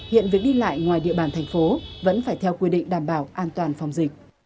hiện việc đi lại ngoài địa bàn thành phố vẫn phải theo quy định đảm bảo an toàn phòng dịch